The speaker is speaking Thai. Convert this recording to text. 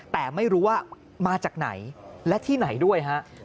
แต่ไม่รู้ว่ามาจากไหนและที่ไหนด้วยฮะ